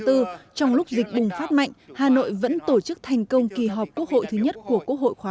trong lúc dịch bùng phát mạnh hà nội vẫn tổ chức thành công kỳ họp quốc hội thứ nhất của quốc hội khóa một mươi